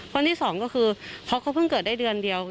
วันที่สองก็คือเพราะเขาเพิ่งเกิดได้เดือนเดียว